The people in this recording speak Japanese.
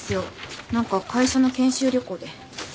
何か会社の研修旅行で。